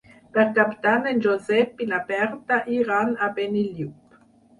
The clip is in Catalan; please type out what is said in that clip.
Per Cap d'Any en Josep i na Berta iran a Benillup.